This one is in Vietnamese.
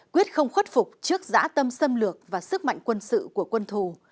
quyết không khuất phục trước giã tâm xâm lược và sức mạnh quân sự của quân thù